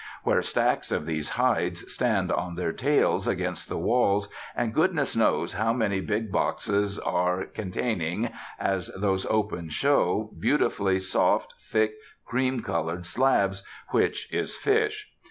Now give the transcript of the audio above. Where stacks of these hides stand on their tails against the walls, and goodness knows how many big boxes are, containing, as those open show, beautifully soft, thick, cream colored slabs, which is fish.